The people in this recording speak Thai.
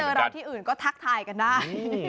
เราที่อื่นก็ทักทายกันได้